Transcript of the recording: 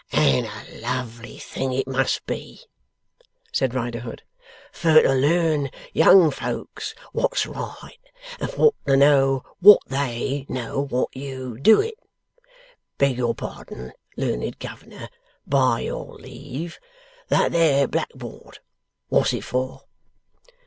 'And a lovely thing it must be,' said Riderhood, 'fur to learn young folks wot's right, and fur to know wot THEY know wot you do it. Beg your pardon, learned governor! By your leave! That there black board; wot's it for?